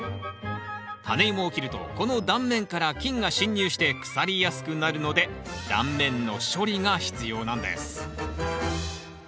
タネイモを切るとこの断面から菌が侵入して腐りやすくなるので断面の処理が必要なんです。